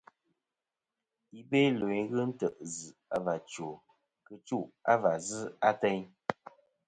I Belo i ghɨ ntè' zɨ a và chwo kitchu va zɨ a teyn.